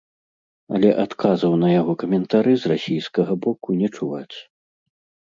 Але адказаў на яго каментары з расійскага боку не чуваць.